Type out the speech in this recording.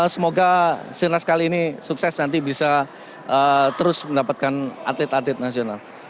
semoga sirnas kali ini sukses nanti bisa terus mendapatkan atlet atlet nasional